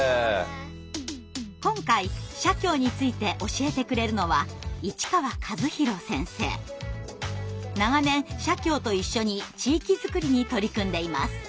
今回社協について教えてくれるのは長年社協と一緒に地域作りに取り組んでいます。